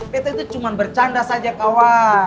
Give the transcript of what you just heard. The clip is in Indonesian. betta itu cuma bercanda saja kawan